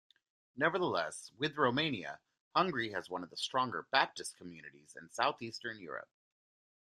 Nevertheless, with Romania, Hungary has one of the stronger Baptist communities in southeastern Europe.